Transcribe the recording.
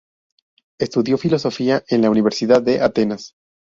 Estudió filología en la Universidad de Atenas.